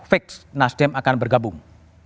fix nasdem akan bergabung